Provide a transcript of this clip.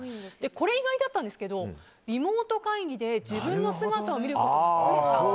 これ、意外だったんですけどリモート会議で自分の姿を見ることが増えた。